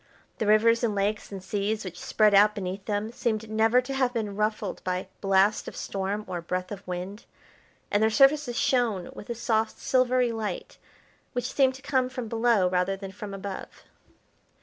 The rivers and lakes and seas which spread out beneath them, seemed never to have been ruffled by blast of storm or breath of wind, and their surfaces shone with a soft, silvery light, which seemed to come from below rather than from above.